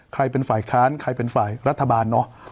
ใครเป็นฝ่ายค้านใครเป็นฝ่ายรัฐบาลเนอะ